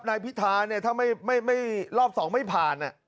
นายพิธาเนี่ยถ้าไม่รอบ๒ไม่ผ่าน